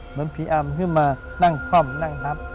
เหมือนผีอำขึ้นมานั่งคว่ำนั่งนับ